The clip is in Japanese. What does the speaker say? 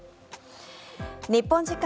日本時間